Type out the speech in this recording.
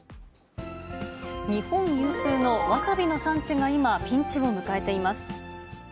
日本有数のわさびの産地が今、ピンチを迎えています。